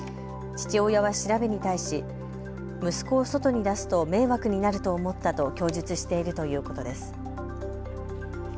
父親は調べに対し息子を外に出すと迷惑になると思ったと供述しているということです。